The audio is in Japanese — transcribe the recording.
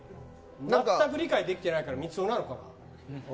全く理解できていないからみつをなのかな。